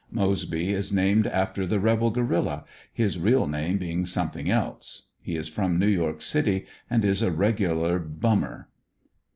Moseby is named after the rebel guerrilla, his real name being something else. He is from New York City, and is a rea^ular bum mer.